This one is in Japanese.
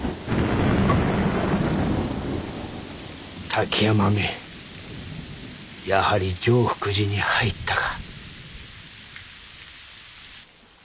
滝山めやはり常福寺に入ったか。